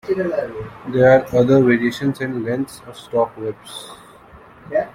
There are other variations and lengths of stock whips.